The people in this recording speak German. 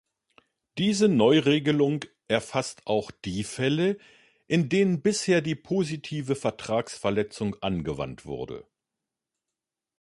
Diese Neuregelung erfasst auch die Fälle, in denen bisher die positive Vertragsverletzung angewandt wurde.